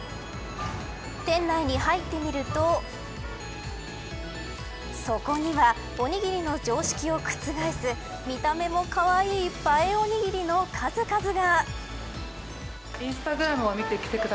店内に入ってみるとそこには、おにぎりの常識を覆す見た目もかわいい映えおにぎりの数々が。